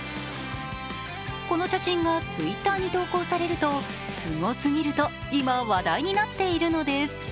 この写真がＴｗｉｔｔｅｒに投稿されるとすごすぎると今、話題になっているのです。